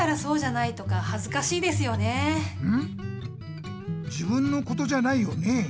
自分のことじゃないよね？